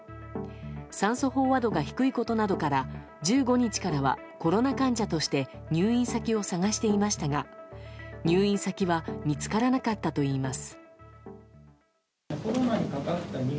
酸素飽和度が低いことなどから１５日からはコロナ患者として入院先を探していましたが入院先は見つからなかったといいます。